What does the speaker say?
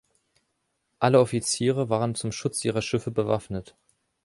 Alle Offiziere waren zum Schutz ihrer Schiffe bewaffnet.